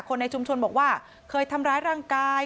ในชุมชนบอกว่าเคยทำร้ายร่างกาย